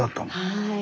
はい。